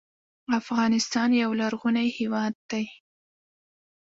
افغانستان یو لرغونی هېواد دی